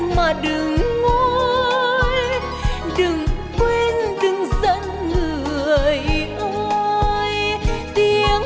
mà giờ thì em không thể tin